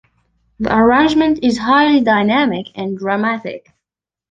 The arrangement is highly dynamic and dramatic.